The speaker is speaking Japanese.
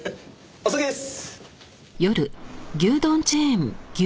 お先です！